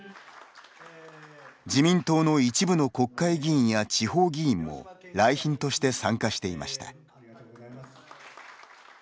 自民党の一部の国会議員や地方議員も来賓として参加していました。